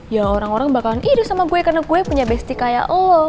ya orang orang bakalan idus sama gue karena gue punya bestie kayak elo